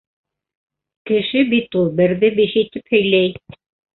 Кеше бит ул берҙе биш итеп һөйләй.